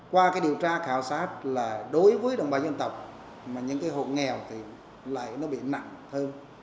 qua cái điều tra khảo sát là đối với đồng bào dân tộc mà những cái hộ nghèo thì lại nó bị nặng hơn